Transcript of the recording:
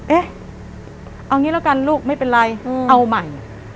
เอ๊ะเอาอย่างนี้ละกันลูกไม่เป็นไรเอาใหม่